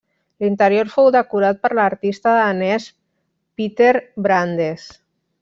L'interior fou decorat per l'artista danès Peter Brandes.